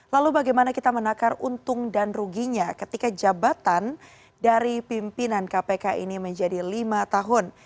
lalu bagaimana kita menakar untung dan ruginya ketika jabatan dari pimpinan kpk ini menjadi lima tahun